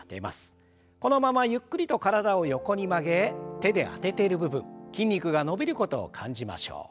このままゆっくりと体を横に曲げ手であてている部分筋肉が伸びることを感じましょう。